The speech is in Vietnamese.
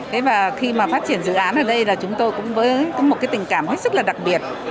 thế và khi mà phát triển dự án ở đây là chúng tôi cũng với một cái tình cảm hết sức là đặc biệt